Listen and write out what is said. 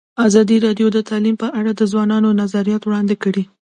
ازادي راډیو د تعلیم په اړه د ځوانانو نظریات وړاندې کړي.